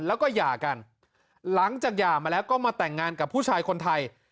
แล้วก็หย่ากันหลังจากหย่ามาแล้วก็มาแต่งงานกับผู้ชายคนไทย